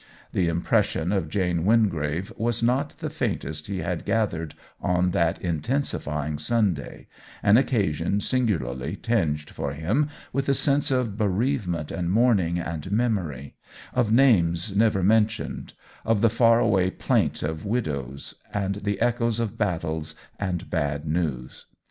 The impression of Jane Wingrave was not the faintest he had gathered on that in tensifying Sunday — an occasion singularly tinged for him with the sense of bereave ment and mourning and memory, of names never mentioned, of the far away plaint of widows and the echoes of battles and bad news.